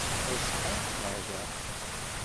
Tazeqqa n tneɣda.